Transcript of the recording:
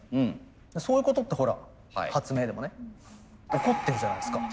そういうことってほら発明でもね起こってるじゃないですか。